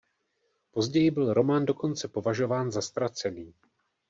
Později byl román dokonce považován za ztracený.